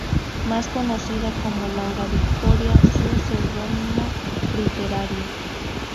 Más conocida como Laura Victoria, su seudónimo literario.